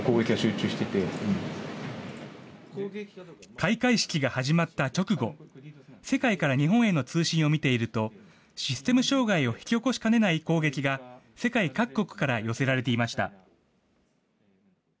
開会式が始まった直後、世界から日本への通信を見ていると、システム障害を引き起こしかねない攻撃が、世界各国から寄せられていました。